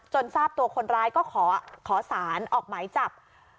ทราบตัวคนร้ายก็ขอสารออกหมายจับ